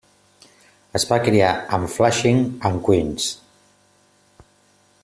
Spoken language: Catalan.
Es va criar en Flushing en Queens.